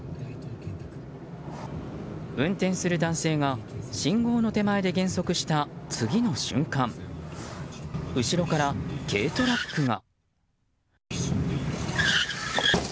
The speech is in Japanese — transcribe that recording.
運転する男性が信号の手前で減速した次の瞬間後ろから軽トラックが。